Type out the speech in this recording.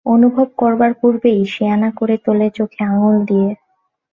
অনুভব করবার পূর্বেই সেয়ানা করে তোলে চোখে আঙুল দিয়ে।